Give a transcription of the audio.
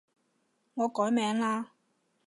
我改名嘞